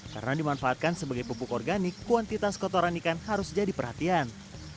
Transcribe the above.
karena dimanfaatkan sebagai pupuk organik kuantitas kotoran ikan harus jadi perhatian